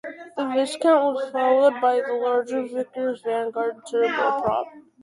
The Viscount was followed by the larger Vickers Vanguard turboprop.